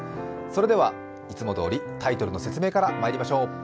それでは、いつもどおりタイトルの説明からまいりましょう。